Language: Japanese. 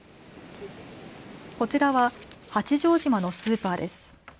こちらは八丈島のスーパーです。